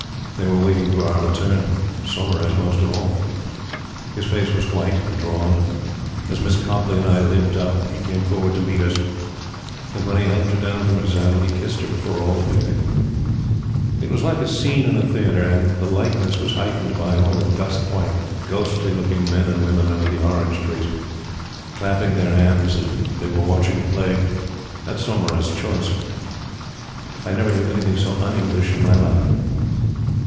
They were waiting for our return. Saumarez most of all. His face was white and drawn. As Miss Copleigh and I limped up, he came forward to meet us, and, when he helped her down from her saddle, he kissed her before all the picnic. It was like a scene in a theatre, and the likeness was heightened by all the dust white, ghostly looking men and women under the orange trees, clapping their hands, as if they were watching a play at Saumarez's choice. I never knew anything so un English in my life.